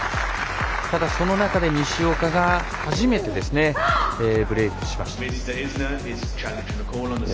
ただ、その中で西岡が初めてブレークしました。